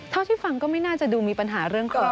เท่าที่ฟังก็ไม่น่าจะดูมีปัญหาเรื่องของ